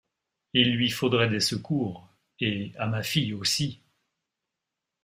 Il lui faudrait des secours, et à ma fille aussi!